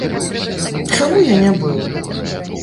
Чаму я не быў?